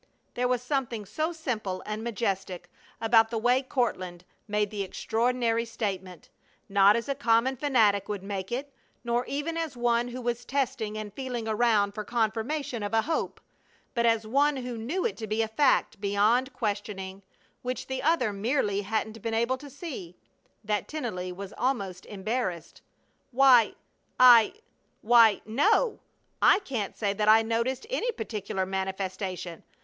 There was something so simple and majestic about the way Courtland made the extraordinary statement not as a common fanatic would make it, nor even as one who was testing and feeling around for confirmation of a hope, but as one who knew it to be a fact beyond questioning, which the other merely hadn't been able to see that Tennelly was almost embarrassed. "Why I Why no! I can't say that I noticed any particular manifestation.